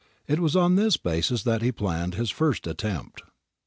It was on this basis that he planned his first attempt.